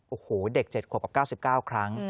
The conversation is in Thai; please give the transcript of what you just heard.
โอ้โหเด็ก๗ขวบกับ๙๙ครั้ง